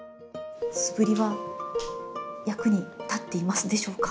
素振りは役に立っていますでしょうか？